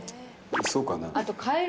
そうかな。